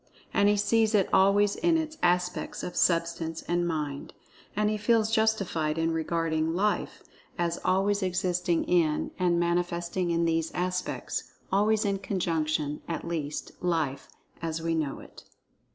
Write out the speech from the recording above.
And he sees it always in its aspects of Substance and Mind. And he feels justified in regarding "Life" as always existing in, and manifesting in these aspects—always in conjunction—at least, Life "as we know it."